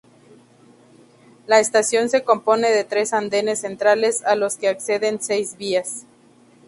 La estación se compone de tres andenes centrales a los que acceden seis vías.